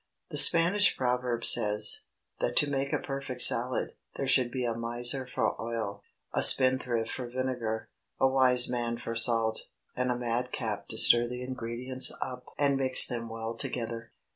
_ The Spanish proverb says, "that to make a perfect salad, there should be a miser for oil, a spendthrift for vinegar, a wise man for salt, and a madcap to stir the ingredients up and mix them well together."